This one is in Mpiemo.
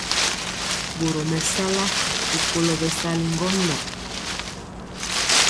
Boro mesala rikolo bɛsali ŋgomnaŋ.